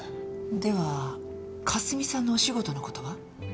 ではかすみさんのお仕事の事は？